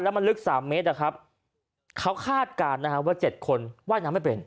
มันลึกสามเมตรอะครับเขาคาดการณ์นะฮะว่าเจ็ดคนว่ายน้ำไม่เป็น